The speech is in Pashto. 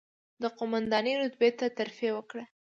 د قوماندانۍ رتبې ته ترفېع وکړه،